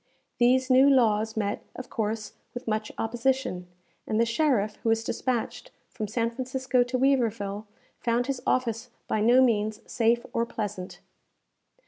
These new laws met, of course, with much opposition, and the sheriff who was despatched from San Francisco to Weaverville, found his office by no means safe or pleasant.